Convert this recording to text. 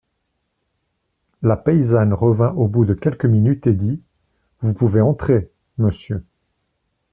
La paysanne revint au bout de quelques minutes et dit : Vous pouvez entrer, monsieur.